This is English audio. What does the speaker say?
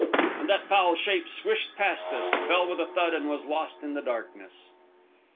And that foul shape swished past us, fell with a thud, and was lost in the darkness.